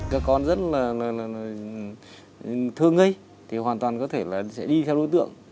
các con rất là thương ngây thì hoàn toàn có thể là sẽ đi theo đối tượng